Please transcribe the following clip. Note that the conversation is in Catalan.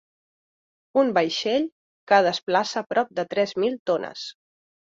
Un vaixell que desplaça prop de tres mil tones.